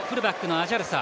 アジャルサ。